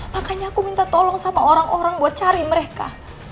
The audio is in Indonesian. makanya aku minta tolong sama orang orang buat cari mereka